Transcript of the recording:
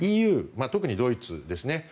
特にドイツですね。